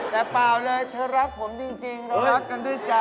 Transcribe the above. แต่เปล่าเลยเธอรักผมจริงเรารักกันด้วยใจ